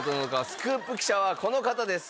スクープ記者はこの方です。